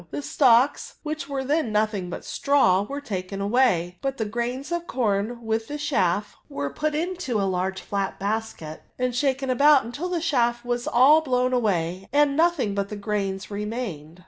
The stalks^ which were then nothing but straw^ were taken away; but the grains of com, with the chaff, were put into a large flat basket and shaken about till the chaff was all blown away, and nothing but the grains remained.'